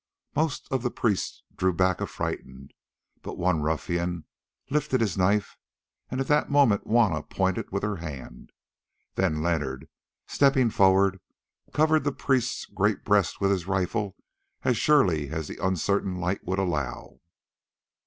Most of the priests drew back affrighted; but one ruffian lifted his knife, and at that moment Juanna pointed with her hand. Then Leonard, stepping forward, covered the priest's great breast with his rifle as surely as the uncertain light would allow.